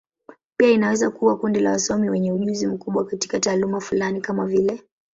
Pia inaweza kuwa kundi la wasomi wenye ujuzi mkubwa katika taaluma fulani, kama vile.